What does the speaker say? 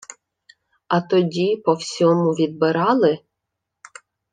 — А тоді, по всьому, відбирали?